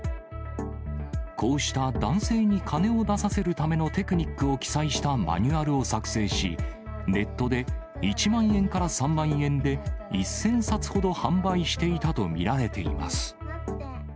こうした男性に金を出させるためのテクニックを記載したマニュアルを作成し、ネットで１万円から３万円で１０００冊ほど販売していたと見られています。